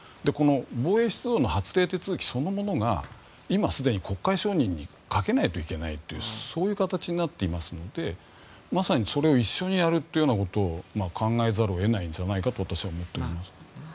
防衛出動の発令手続きそのものが今、すでに国会承認にかけないといけないというそういう形になっていますのでまさにそれを一緒にやるということを考えざるを得ないんじゃないかと私は思っております。